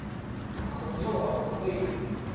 Txeddmeḍ ɣef teqbaylit.